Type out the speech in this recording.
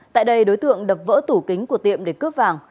tại đây đối tượng đập vỡ tủ kính của tiệm để cướp vàng